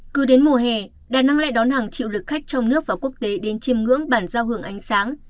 cứ đến mùa hè đà nẵng lại đón hàng triệu lực khách trong nước và quốc tế đến chiêm ngưỡng bản giao hưởng ánh sáng